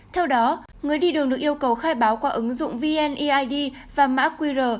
theo đó người đi đường được yêu cầu khai báo qua ứng dụng vneid và mã qr